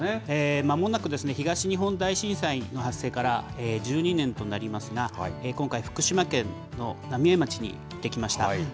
まもなくですね、東日本大震災の発生から１２年となりますが、今回、福島県の浪江町に行ってきました。